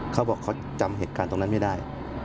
เขาบอกเขาจำเหตุการณ์ตรงนั้นไม่ได้